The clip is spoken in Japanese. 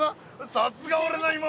さすが俺の妹！